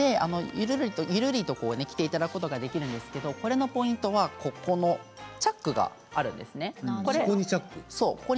ゆるりと着ていただくことができるんですが、このポイントはチャックがあるんですね。